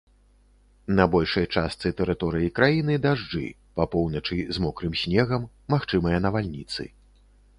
На большай частцы тэрыторыі краіны дажджы, па поўначы з мокрым снегам, магчымыя навальніцы.